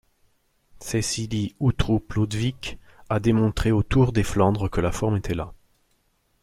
Cecilie Uttrup Ludwig a démontré au Tour des Flandres que la forme était là.